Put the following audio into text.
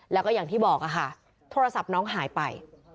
แล้วก็อย่างที่บอกค่ะโทรศัพท์น้องหายไป